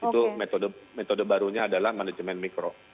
itu metode barunya adalah manajemen mikro